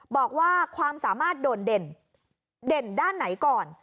บอกว่าความสามารถโดดเด่นเด่นด้านไหนก่อน